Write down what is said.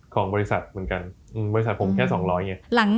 ของบริษัทเหมือนกันบริษัทผมแค่๒๐๐ไง